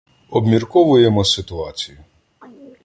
Обмірковуємо ситуацію.